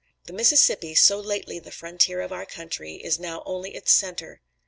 THE MISSISSIPPI, SO LATELY THE FRONTIER OF OUR COUNTRY, IS NOW ONLY ITS CENTRE.